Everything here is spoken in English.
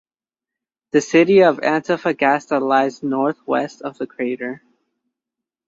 The city of Antofagasta lies northwest of the crater.